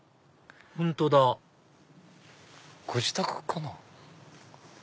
本当だご自宅かな？